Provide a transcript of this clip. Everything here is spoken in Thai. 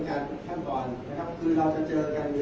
แต่ว่าไม่มีปรากฏว่าถ้าเกิดคนให้ยาที่๓๑